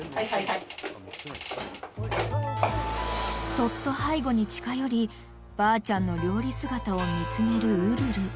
［そっと背後に近寄りばあちゃんの料理姿を見つめるウルル］